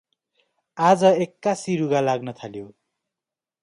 अाज एक्कासि रुघा लाग्न थाल्यो ।